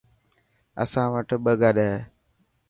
اسان وٽ ٻه گاڏي هي.